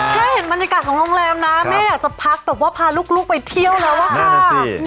แค่เห็นบรรยากาศของโรงแรมนะแม่อยากจะพักแบบว่าพาลูกไปเที่ยวแล้วอะค่ะ